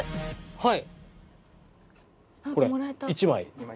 はい。